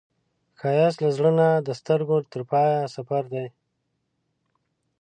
ښایست له زړه نه د سترګو تر پایه سفر دی